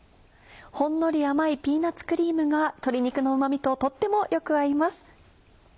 ほんのり甘いピーナッツクリームが鶏肉のうま味ととってもよく合います。